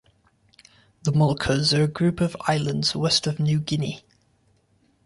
The Moluccas are a group of islands west of New Guinea.